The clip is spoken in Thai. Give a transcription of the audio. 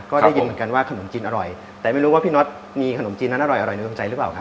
ก็ได้ยินเหมือนกันว่าขนมจีนอร่อยแต่ไม่รู้ว่าพี่น็อตมีขนมจีนนั้นอร่อยในดวงใจหรือเปล่าครับ